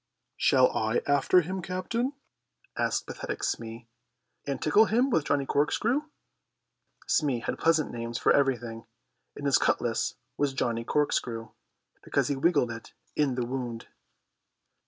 "Shall I after him, Captain," asked pathetic Smee, "and tickle him with Johnny Corkscrew?" Smee had pleasant names for everything, and his cutlass was Johnny Corkscrew, because he wiggled it in the wound.